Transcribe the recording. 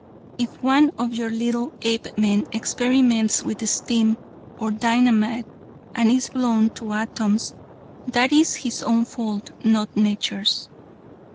If one of your little Apemen experiments with steam or dynamite and is blown to atoms, that is his own fault, not nature's.